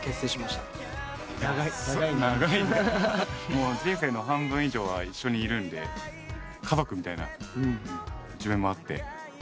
もう人生の半分以上は一緒にいるんで家族みたいな一面もあって。